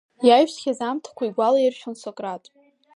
Иаҩсхьаз аамҭақәа игәалаиршәон Сократ.